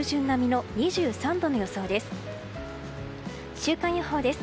週間予報です。